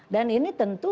dan ini tentu